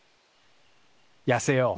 やせよう。